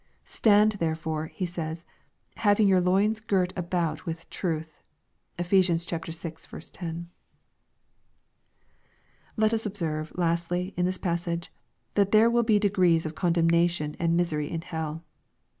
Stand therefore," he says, "hav ing your loins girt about with truth." (Eph. vi. 10.) Let us observe, lastly, in this passage, that there will he degrees of condemnation and misery in hell.